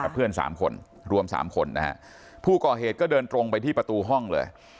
เพื่อนสามคนรวมสามคนนะฮะผู้ก่อเหตุก็เดินตรงไปที่ประตูห้องเลย